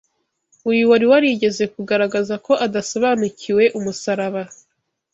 Uyu wari warigeze kugaragaza ko adasobanukiwe umusaraba